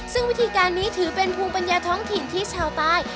ซึ่งวิธีการนี้ถือเป็นภูมิปัญญาท้องถิ่นที่ชาวใต้